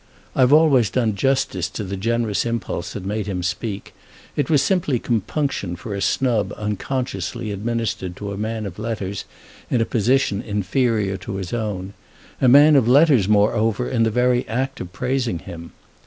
I've always done justice to the generous impulse that made him speak; it was simply compunction for a snub unconsciously administered to a man of letters in a position inferior to his own, a man of letters moreover in the very act of praising him.